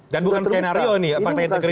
dan bukan skenario ini fakta integritas